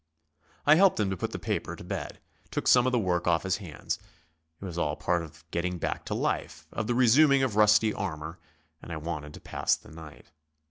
I helped him to put the paper to bed; took some of the work off his hands. It was all part of the getting back to life; of the resuming of rusty armour; and I wanted to pass the night.